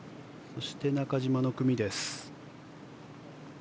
そして、中島の組です。